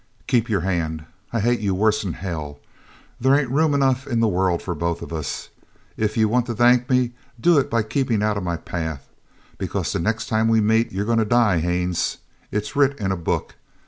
"Keep your hand. I hate you worse'n hell. There ain't room enough in the world for us both. If you want to thank me do it by keepin' out of my path. Because the next time we meet you're goin' to die, Haines. It's writ in a book.